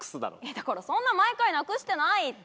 だからそんな毎回なくしてないって。